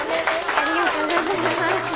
ありがとうございます。